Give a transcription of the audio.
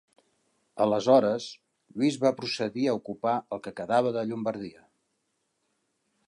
Aleshores, Lluís va procedir a ocupar el que quedava de Llombardia.